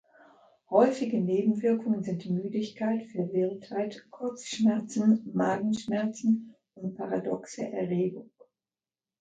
Häufige Nebenwirkungen sind Müdigkeit, Verwirrtheit, Kopfschmerzen, Magenschmerzen und paradoxe Erregung.